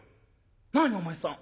「何お前さん。